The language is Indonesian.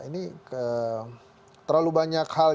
ini terlalu banyak hal